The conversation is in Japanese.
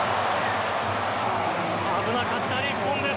危なかった日本です。